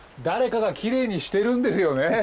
誰かがきれいにしてるんですよね。